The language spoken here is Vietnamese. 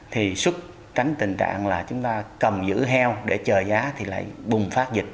thì sức tránh tình trạng là chúng ta cầm giữ heo để chờ giá thì lại bùng phát dịch